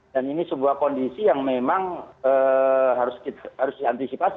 dan ini sebuah kondisi yang memang harus diantisipasi